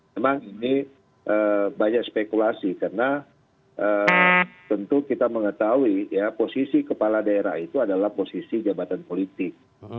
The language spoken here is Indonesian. memang ini banyak spekulasi karena tentu kita mengetahui posisi kepala daerah itu adalah posisi jabatan politik